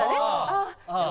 ああ。